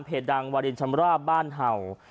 เพจดังวาลินชำระบ้านเห่า